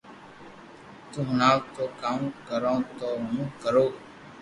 تو ھڻاٽو ني ڪاو ڪرو تو ھون ڪرو